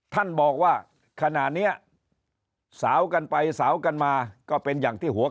ท่านบอกว่าขณะเนี้ยสาวกันไปสาวกันมาก็เป็นอย่างที่หัว